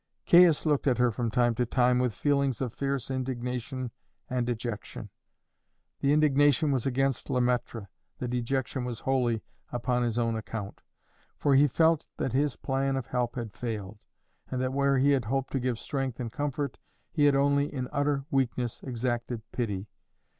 Caius looked at her from time to time with feelings of fierce indignation and dejection. The indignation was against Le Maître, the dejection was wholly upon his own account; for he felt that his plan of help had failed, and that where he had hoped to give strength and comfort, he had only, in utter weakness, exacted pity.